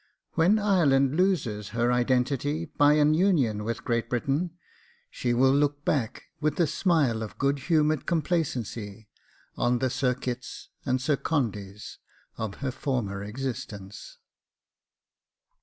When Ireland loses her identity by an union with Great Britain, she will look back, with a smile of good humoured complacency, on the Sir Kits and Sir Condys of her former existence.